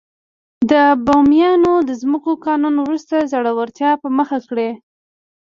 د بومیانو د ځمکو قانون وروسته ځوړتیا په مخه کړې.